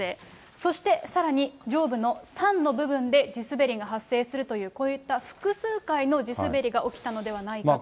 そして、さらに上部の３の部分で、地滑りが発生するという、こういった複数回の地滑りが起きたのではないかと。